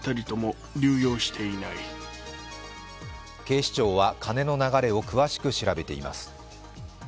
警視庁は金の流れを詳しく調べています。